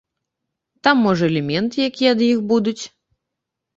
Там можа элементы якія ад іх будуць?